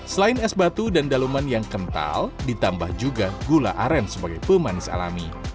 selain es batu dan daluman yang kental ditambah juga gula aren sebagai pemanis alami